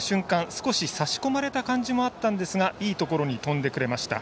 少し差し込まれた感じもあったんですがいいところに飛んでくれました。